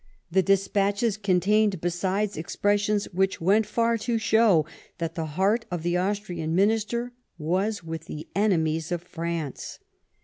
The despatches contained, besides, ex pressions which went far to show that the heart of the Austrian statesman was with the enemies of France.